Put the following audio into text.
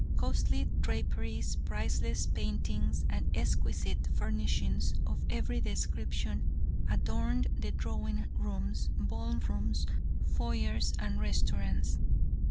Costly draperies, priceless paintings, and exquisite furnishings of every description, adorned the drawing rooms, ball rooms, foyers and restaurants.